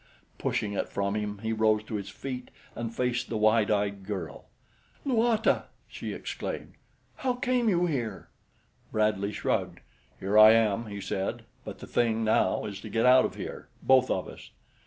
Pushing it from him he rose to his feet and faced the wide eyed girl. "Luata!" she exclaimed. "How came you here?" Bradley shrugged. "Here I am," he said; "but the thing now is to get out of here both of us."